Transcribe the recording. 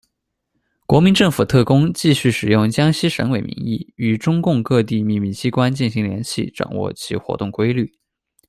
国民政府特工继续使用江西省委名义与中共各地秘密机关进行联系，掌握其活动规律。